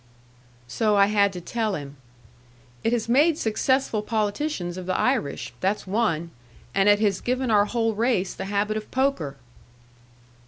So I had to tell him. "It has made successful politicians of the Irish. That's one. And it has given our whole race the habit of poker."